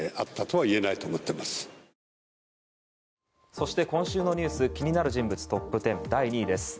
そして、今週のニュース気になる人物トップ１０第２位です。